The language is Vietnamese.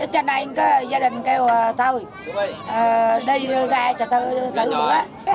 cho nên gia đình kêu thôi đi ra cho tự bữa